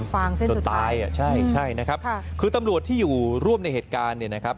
ฟางเส้นจนตายอ่ะใช่ใช่นะครับค่ะคือตำรวจที่อยู่ร่วมในเหตุการณ์เนี่ยนะครับ